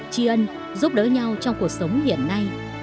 chi ân giúp đỡ nhau trong cuộc sống hiện nay